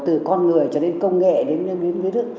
từ con người cho đến công nghệ đến nước